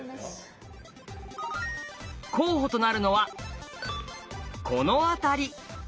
候補となるのはこの辺り。